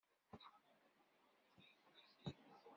Mbeɛd iṛuḥ izdeɣ di Girar.